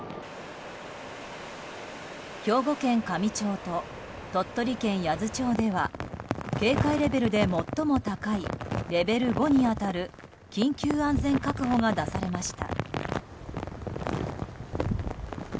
兵庫県香美町と鳥取県八頭町では警戒レベルで最も高いレベル５に当たる緊急安全確保が出されました。